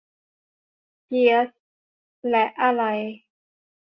เกียซ และอะไร